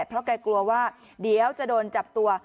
เพราะแกกลัวว่าเดี๋ยวจะโดนจับตัว